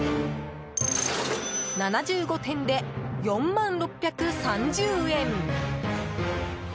７５点で、４万６３０円。